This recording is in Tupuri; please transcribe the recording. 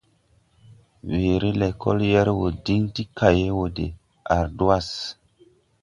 Weere lɛkɔl yɛr wɔ diŋ ti kaye wɔ de ardwas.